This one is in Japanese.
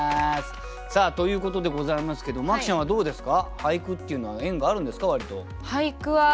ということでございますけど麻貴ちゃんはどうですか？